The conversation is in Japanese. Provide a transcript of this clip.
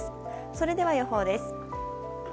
それでは予報です。